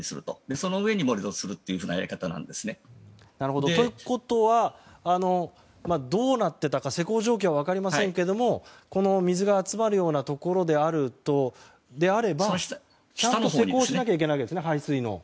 その上に盛り土をするというやり方なんですね。ということはどうなっていたか施工状況は分かりませんがこの水が集まるようなところであれば施工をしなければいけないわけですね、排水の。